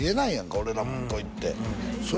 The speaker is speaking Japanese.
俺らも向こう行ってそれ